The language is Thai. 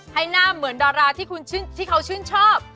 ให้หน้าเหมือนดาราที่เขาชื่นชอบ